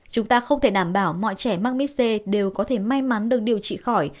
chúng ta không thể đảm bảo mọi trẻ mắc mis c đều có thể may mắn được điều trị